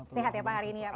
sehat ya pak hari ini ya pak